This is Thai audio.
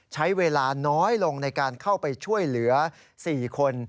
ใช้เวลาน้อยลงในการเข้าไปช่วยเหลือ๔คน